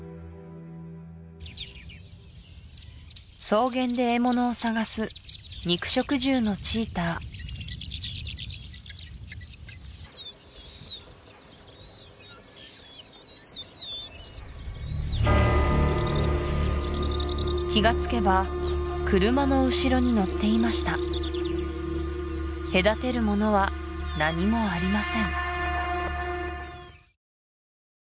草原で獲物を探す肉食獣のチーター気がつけば車の後ろに乗っていました隔てるものは何もありません